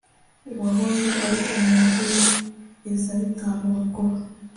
uwahoze ari umuherezabitambo mukuru